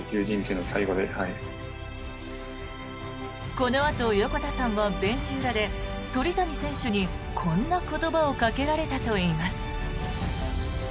このあと横田さんはベンチ裏で鳥谷選手にこんな言葉をかけられたといいます。